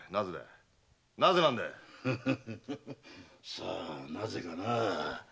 さあなぜかな。